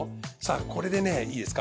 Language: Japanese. これでねいいですか？